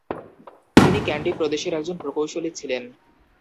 তিনি ক্যান্ডি প্রদেশের একজন প্রকৌশলী ছিলেন।